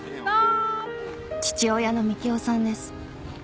父親の幹雄さんです